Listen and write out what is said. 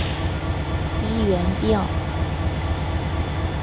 医源病。